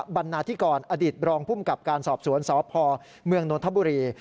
บรรณาธิกรอดีตรองภูมิกับการสอบสวนสพเมืองนนทบุรี